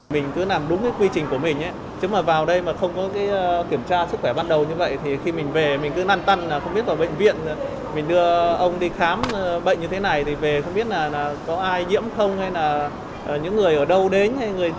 khám bệnh như thế này thì về không biết là có ai diễm không hay là những người ở đâu đến hay người thế nào thì mình cảm thấy nó không an toàn